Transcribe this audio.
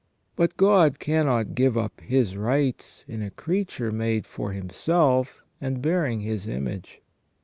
But God cannot give up His rights in a creature made for Himself and bearing His image.